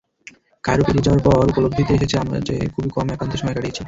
Cairo পেরিয়ে যাওয়ার পর উপলদ্ধিতে এসেছে যে আমরা খুব কমই একান্তে সময় কাটিয়েছি!